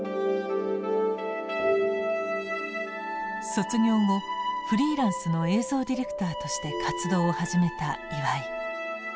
卒業後フリーランスの映像ディレクターとして活動を始めた岩井。